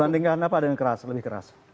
bandingkan apa ada yang keras lebih keras